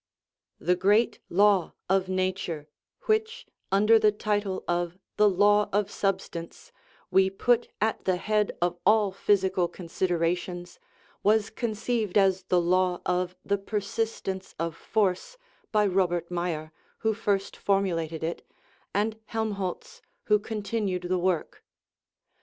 The great law of nature, which, under the title of the " law of substance," we put at the head of all physical considerations, was conceived as the law of " the persist ence of force " by Robert Meyer, who first formulated it, and Helmholtz, who continued the work.